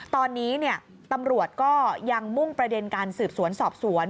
ตอนนี้ตำรวจก็ยังมุ่งประเด็นการสืบสวนสอบสวน